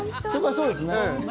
それはそうですね。